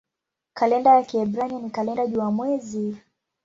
Kalenda ya Kiebrania ni kalenda jua-mwezi.